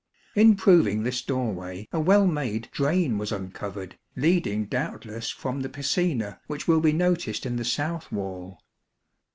In proving this doorway, a well made drain was uncovered, leading doubtless from the piscina, which will be noticed in the south wall.